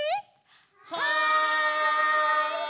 はい！